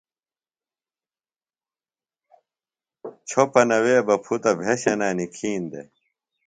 چھوۡپنہ وے بہ پُھتہ بھشَنہ نِکھین دےۡ۔